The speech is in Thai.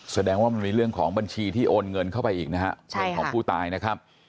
แสดงว่ามันมีเรื่องของบัญชีที่โอนเงินเข้าไปอีกนะครับเป็นของผู้ตายนะครับ